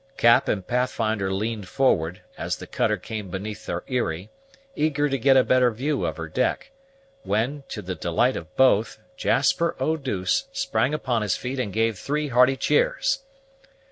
Cap and Pathfinder leaned forward, as the cutter came beneath their eyrie, eager to get a better view of her deck, when, to the delight of both, Jasper Eau douce sprang upon his feet and gave three hearty cheers.